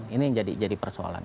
ini jadi persoalan